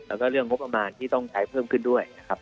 แล้วก็เรื่องงบประมาณที่ต้องใช้เพิ่มขึ้นด้วยนะครับ